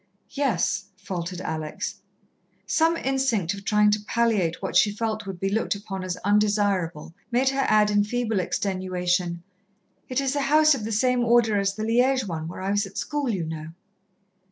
"Yes," faltered Alex. Some instinct of trying to palliate what she felt would be looked upon as undesirable made her add in feeble extenuation, "It is a house of the same Order as the Liège one where I was at school, you know."